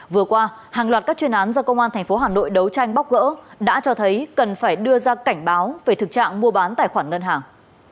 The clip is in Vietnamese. vừa qua hàng loạt các chuyên án do công an tp hà nội đấu tranh bóc gỡ đã cho thấy cần phải đưa ra cảnh báo về thực trạng mua bán tài khoản ngân hàng